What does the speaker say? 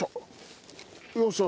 よっしゃ！